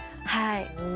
はい。